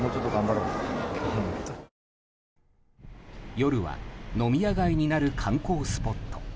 夜は飲み屋街になる観光スポット